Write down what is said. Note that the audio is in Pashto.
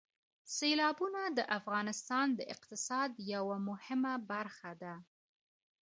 سیلابونه د افغانستان د اقتصاد یوه مهمه برخه ده.